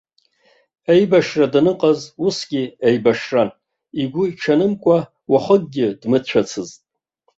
Аибашьра даныҟаз, усгьы еибашьран, игәы иҽанымкәа уахыкгьы дмыцәацызт.